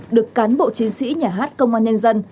được cán bộ chiến sĩ nhà hát công an nhân dân